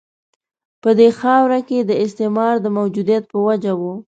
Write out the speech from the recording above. په دې خاورو کې د استعمار د موجودیت په وجه وه.